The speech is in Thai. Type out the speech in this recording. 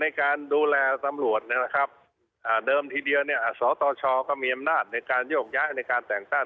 ในการดูแลตำรวจนะครับเดิมทีเดียวเนี่ยสตชก็มีอำนาจในการโยกย้ายในการแต่งตั้ง